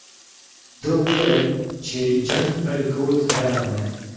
ده وویل چې جنګ پیل کولو ته تیار دی.